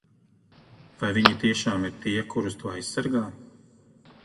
Vai viņi tiešām ir tie, kurus tu aizsargā?